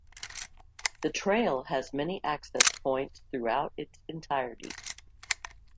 The trail has many access points throughout its entirety.